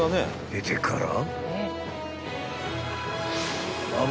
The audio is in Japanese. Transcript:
［へてから］